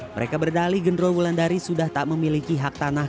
mereka berdali gendro wulandari sudah tak memiliki hak tanah